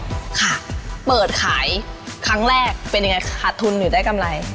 ค่ะเปิดขายครั้งแรกเป็นยังไงขาดทุนหรือได้กำไร